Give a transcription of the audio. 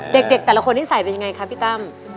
เด็กแต่ละคนนิสัยเป็นยังไงคะพี่ตั้ม